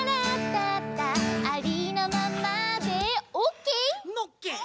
「ありのままでおっけー！」